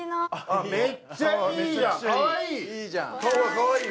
かわいい！